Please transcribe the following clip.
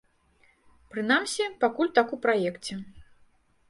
Прынамсі, пакуль так у праекце.